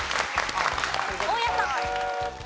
大家さん。